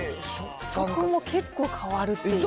そこも結構変わるという。